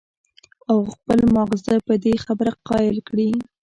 او خپل مازغۀ پۀ دې خبره قائل کړي